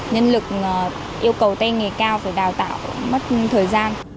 nhân lực yêu cầu tay nghề cao phải đào tạo mất thời gian